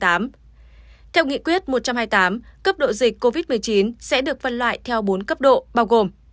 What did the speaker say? theo nghị quyết một trăm hai mươi tám cấp độ dịch covid một mươi chín sẽ được phân loại theo bốn cấp độ bao gồm